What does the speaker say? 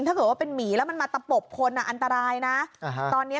นอนภาวะอย่างนี้